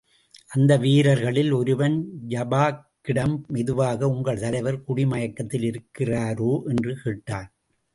அந்த வீரர்களில் ஒருவன் ஜபாரக்கிடம் மெதுவாக, உங்கள் தலைவர் குடி மயக்கத்தில் இருக்கிறாரோ? என்று கேட்டான்.